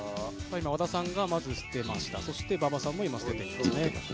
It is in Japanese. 和田さんが、まず捨てましたそして馬場さんも捨てました。